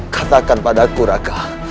katakan padaku raka